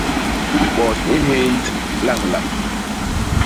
Bot i nhénd lañlañ.